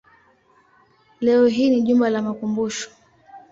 Leo hii ni jumba la makumbusho.